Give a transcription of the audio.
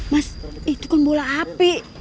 mas itu pun bola api